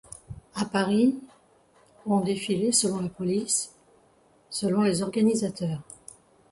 À Paris, ont défilé selon la police, selon les organisateurs.